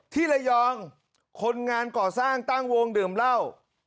ที่ระยองคนงานก่อสร้างตั้งวงดื่มเหล้า